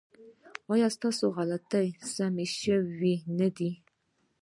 ایا ستاسو غلطۍ سمې شوې نه دي؟